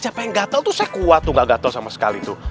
siapa yang gatal tuh saya kuat tuh gak gatel sama sekali tuh